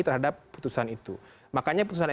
terhadap putusan itu makanya putusan